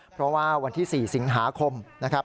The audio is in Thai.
เพราะว่าวันที่๔สิงหาคมนะครับ